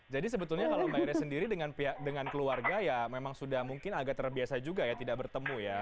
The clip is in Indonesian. jadi sebetulnya kalau mbak iris sendiri dengan keluarga ya memang sudah mungkin agak terbiasa juga ya tidak bertemu ya